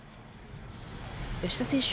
吉田選手